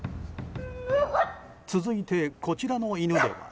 続いて、こちらの犬では。